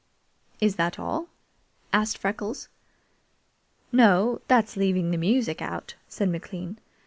"Is that all?" asked Freckles. "No; that's leaving the music out," said McLean.